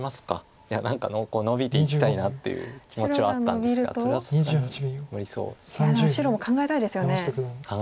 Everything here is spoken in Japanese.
いや何かノビていきたいなという気持ちはあったんですがそれはさすがに無理そうですか。